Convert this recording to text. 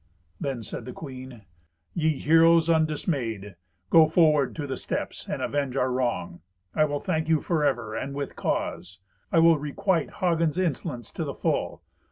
Then said the queen, "Ye heroes undismayed, go forward to the steps and avenge our wrong. I will thank you forever, and with cause. I will requite Hagen's insolence to the full.